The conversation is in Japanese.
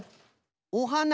おはな。